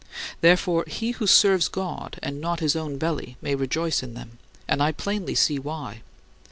Therefore, he who serves God and not his own belly may rejoice in them, and I plainly see why.